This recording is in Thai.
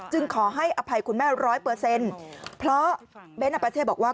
ขอให้อภัยคุณแม่ร้อยเปอร์เซ็นต์เพราะเบ้นอปาเช่บอกว่า